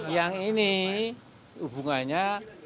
yang ini hubungannya